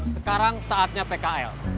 sekarang saatnya pkl